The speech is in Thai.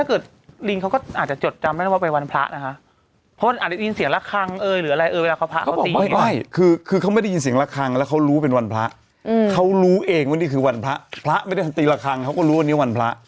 เอาจริงเมื่อก่อนก็ไม่ได้เห็นเรามีลงพญาลิง